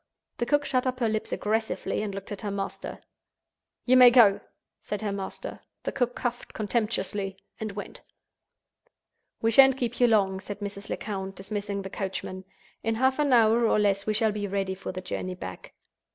The cook shut up her lips aggressively and looked at her master. "You may go!" said her master. The cook coughed contemptuously, and went. "We shan't keep you long," said Mrs. Lecount, dismissing the coachman. "In half an hour, or less, we shall be ready for the journey back."